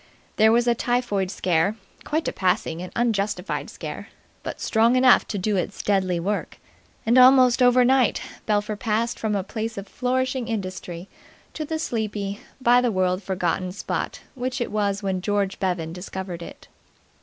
There was a typhoid scare quite a passing and unjustified scare, but strong enough to do its deadly work; and almost overnight Belpher passed from a place of flourishing industry to the sleepy, by the world forgotten spot which it was when George Bevan discovered it.